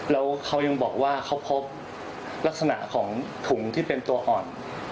แล้วเขายังบอกว่าเขาพบลักษณะของถุงที่เป็นตัวอ่อน